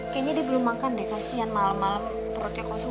kayaknya dia belum makan deh kasian malem malem perutnya kosong